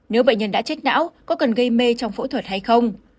nếu bệnh nhân đã chết não có cần gây mê trong phẫu thuật hay không